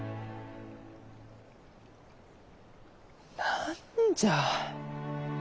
何じゃあ。